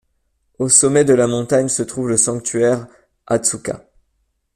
Au sommet de la montagne se trouve le sanctuaire Hatsuka.